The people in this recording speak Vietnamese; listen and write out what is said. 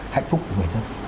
hạnh phúc của người dân